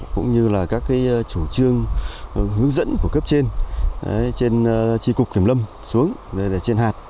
cũng như các chủ trương hướng dẫn của cấp trên trên chi cục kiểm lâm xuống trên hạt